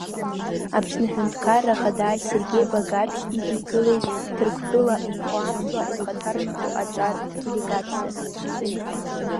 Аԥсны Аҳәынҭқарра Ахада Сергеи Багаԥшь идикылеит Ҭырқәтәыла инхо аԥсуаа ирхаҭарнаку аҿар рделегациа.